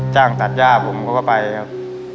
จ้างตัดย่าผมก็ไปครับ